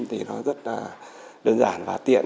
thì nó rất đơn giản và tiện